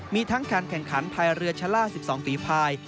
มีทั้งการแข่งขันภายเรือชะล่า๑๒ฝีภาย